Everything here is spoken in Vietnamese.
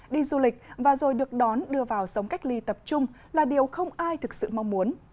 đi du lịch và rồi được đón đưa vào sống cách ly tập trung là điều không ai thực sự mong muốn